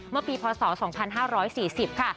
เมื่อปีพศ๒๕๔๐ค่ะ